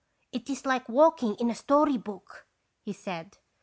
" It is like walking in a story book," he said.